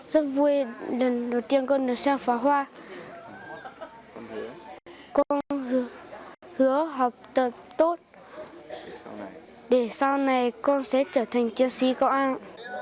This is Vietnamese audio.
đầu tiên con được xem phá hoa con hứa học tập tốt để sau này con sẽ trở thành chiến sĩ công an